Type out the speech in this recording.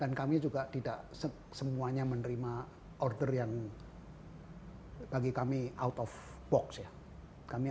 dan kami juga tidak semuanya menerima order yang bagi kami out of box ya